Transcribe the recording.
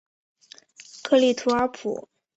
克利图尔普。